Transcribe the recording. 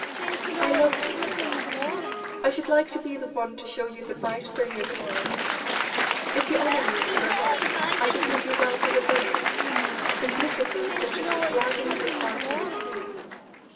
"I love you," he said. "I should like to be the one to show you the bright, brilliant world. If you honor me with your love, I can give you wealth in abundance, magnificence, such as would gladden the heart of a queen.